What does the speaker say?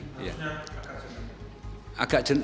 maksudnya agak jernih